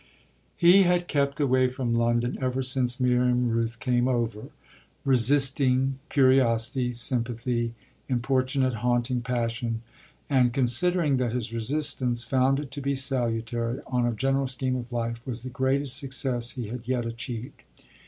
He had kept away from London ever since Miriam Rooth came over; resisting curiosity, sympathy, importunate haunting passion, and considering that his resistance, founded, to be salutary, on a general scheme of life, was the greatest success he had yet achieved.